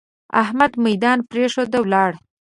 احمد ميدان پرېښود؛ ولاړ.